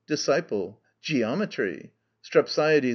_) DISCIPLE. Geometry. STREPSIADES.